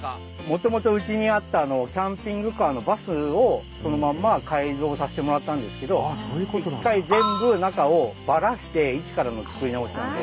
もともとうちにあったキャンピングカーのバスをそのまんま改造させてもらったんですけど一回全部中をバラしていちからの作り直しなんで。